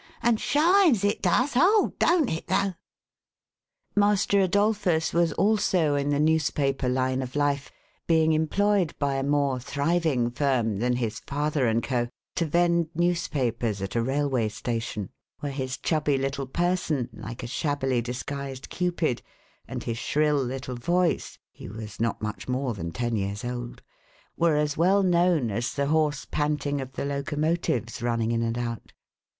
And shines, it does— oh, don't it, though !" Master Adolphus was also in the newspaper line of life, being employed by a more thriving firm than his father and MRS. TETTERBY IS PUT OUT. 455 Co., to vend newspapers at a railway station, where his chubby little pei son, like a shabbily disguised Cupid, and his shrill little voice (he was not much more than ten years old), were as well known as the hoarse panting of the locomotives, running in and out.